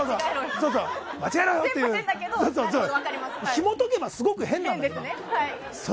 ひも解けば、すごく変なんですよ。